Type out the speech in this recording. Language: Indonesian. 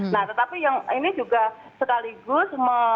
nah tetapi yang ini juga sekaligus